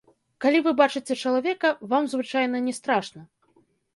Калі вы бачыце чалавека, вам звычайна не страшна.